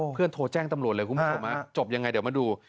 โทรแจ้งตำรวจเลยคุณผู้ชมจบยังไงเดี๋ยวมาดู